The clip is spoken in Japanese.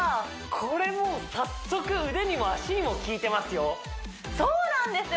これもう早速腕にも脚にもきいてますよそうなんですよ！